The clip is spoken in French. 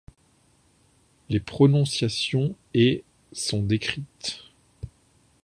Les prononciations et sont décrites.